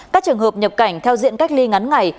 các trường hợp nhập cảnh theo diện cách ly ngắn ngày